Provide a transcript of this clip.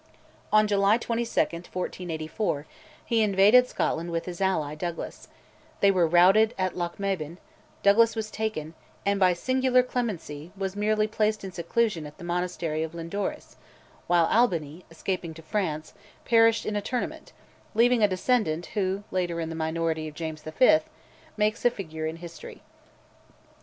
On July 22, 1484, he invaded Scotland with his ally, Douglas; they were routed at Lochmaben, Douglas was taken, and, by singular clemency, was merely placed in seclusion in the Monastery of Lindores, while Albany, escaping to France, perished in a tournament, leaving a descendant, who later, in the minority of James V., makes a figure in history.